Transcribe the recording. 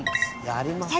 やりますね。